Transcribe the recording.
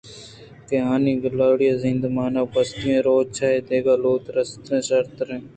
کہ آہانی گُلّڑی ءِ زندمان ءُ گوٛستگیں روچ اے دگہ دلوت ءُ رَستراں شرتِر ءُ گہتر بُوتگ اَنت